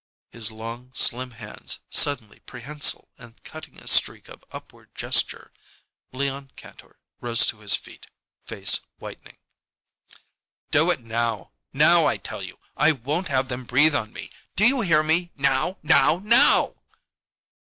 His long, slim hands suddenly prehensile and cutting a streak of upward gesture, Leon Kantor rose to his feet, face whitening. "Do it now! Now, I tell you. I won't have them breathe on me. Do you hear me? Now! Now! Now!"